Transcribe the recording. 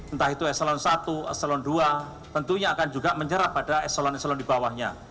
entah itu eselon satu eselon dua tentunya akan juga menyerap pada eselon eselon di bawahnya